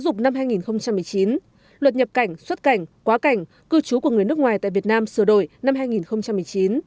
luật nhập cảnh xuất cảnh quá cảnh cư trú của người nước ngoài tại việt nam sửa đổi năm hai nghìn một mươi chín